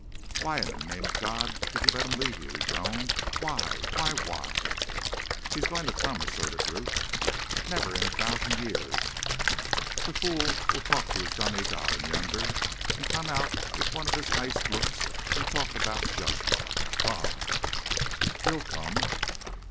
"Why in the name of God did you let him leave you?" he groaned. "Why? Why? Why?" "He's going to come," asserted Ruth. "Never in a thousand years. The fool will talk to his dummy god in yonder and come out with one of his iced looks and talk about 'judgment'! Bah!" "He'll come."